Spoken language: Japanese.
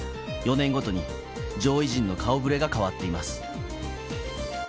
４年ごとに上位陣の顔ぶれが変わっています。